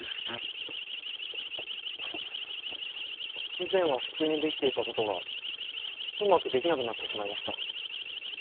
以前は普通にできていたことがうまくできなくなってしまいました。